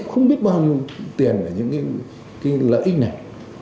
không biết bao nhiêu tiền là những lợi ích này